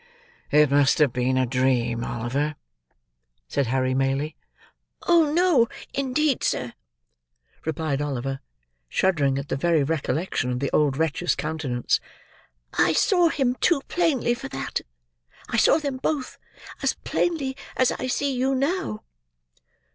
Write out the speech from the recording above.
"It must have been a dream, Oliver," said Harry Maylie. "Oh no, indeed, sir," replied Oliver, shuddering at the very recollection of the old wretch's countenance; "I saw him too plainly for that. I saw them both, as plainly as I see you now."